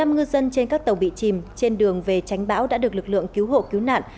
một mươi ngư dân trên các tàu bị chìm trên đường về tránh bão đã được lực lượng cứu hộ cứu nạn